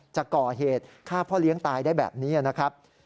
จะก่อเหตุฆ่าพ่อเลี้ยงตายได้แบบนี้นะครับ